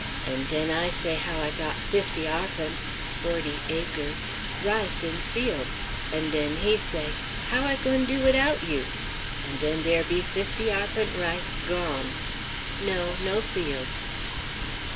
And den I say how I got fifty arpent' [42 acres] rice in field. And den he say, 'How I goin' do widout you?' And den dare be fifty arpent' rice gone!" No, no fields.